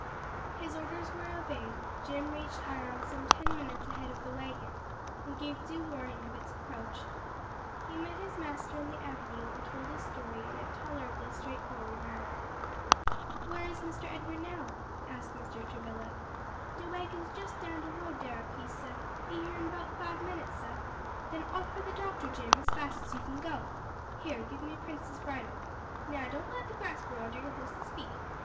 His orders were obeyed, Jim reached Ion some ten minutes ahead of the wagon and gave due warning of its approach. He met his master in the avenue and told his story in a tolerably straightforward manner. "Where is Mr. Edward now?" asked Mr. Travilla. "De wagon's jes down de road dar a piece, sah; be here in 'bout five minutes, sah." "Then off for the doctor, Jim, as fast as you can go. Here, give me Prince's bridle. Now don't let the grass grow under your horse's feet.